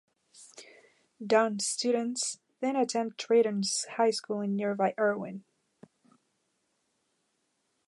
Dunn's students then attend Triton High School in nearby Erwin.